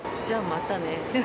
じゃあ、またね。